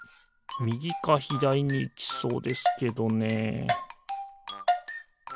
みぎかひだりにいきそうですけどね